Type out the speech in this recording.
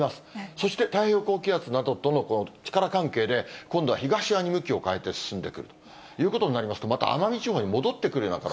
そして、太平洋高気圧などとの力関係で、今度は東側に向きを変えて進んでくる。ということになりますと、また奄美地方に戻ってくるような形。